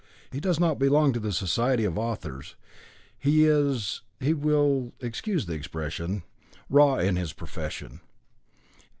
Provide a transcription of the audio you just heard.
He does not belong to the Society of Authors. He is he will excuse the expression raw in his profession.